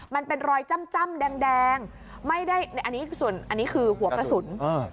มันเป็นรอยจ้ำแดงไม่ได้อันนี้คือหัวกระสุน